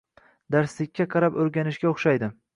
darslikka qarab o‘rganishga o‘xshaydi.